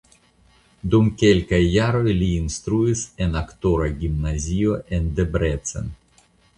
Dum kelkaj jaroj li instruis en aktora gimnazio en Debrecen.